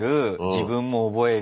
自分も覚える。